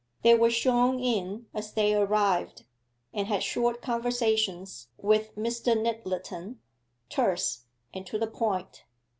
They were shown in as they arrived, and had short conversations with Mr. Nyttleton terse, and to the point.